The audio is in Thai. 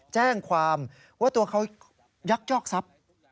แจ้งความว่าตัวเขายักษ์ซับ